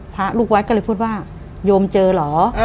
พระลูกวัดก็เลยพูดว่าโยมเจอเหรอ